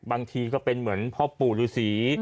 บางทีก็เป็นเหมือนพ่อปู่ฤษี